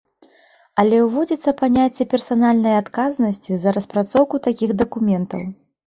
Але ўводзіцца паняцце персанальнай адказнасці за распрацоўку такіх дакументаў.